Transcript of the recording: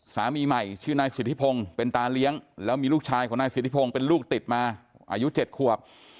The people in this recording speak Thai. สามีใหม่ชื่อนายสิทธิพงศ์เป็นตาเลี้ยงแล้วมีลูกชายของนายสิทธิพงศ์เป็นลูกติดมาอายุ๗ขวบ